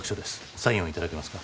サインをいただけますか？